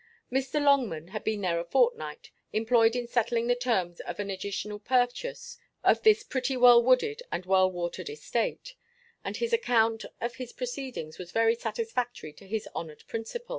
Mr. Longman had been there a fortnight, employed in settling the terms of an additional purchase of this pretty well wooded and well watered estate: and his account of his proceedings was very satisfactory to his honoured principal.